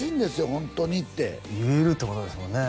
ホントにって言えるってことですもんね